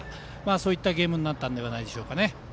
そういったゲームになったんじゃないでしょうか。